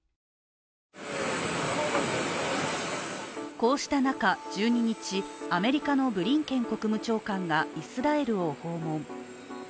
こうした中、１２日、アメリカのブリンケン国務長官がイスラエルを訪問。